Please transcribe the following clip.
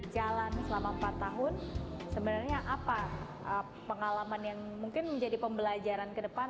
jalan selama empat tahun sebenarnya apa pengalaman yang mungkin menjadi pembelajaran ke depan